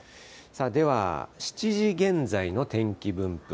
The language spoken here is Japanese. さあ、では７時現在の天気分布。